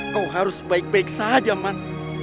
kau harus baik baik saja man